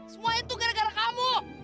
semua itu gara gara kamu